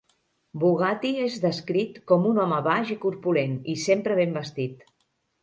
Bugatti és descrit com un home baix i corpulent, i sempre ben vestit.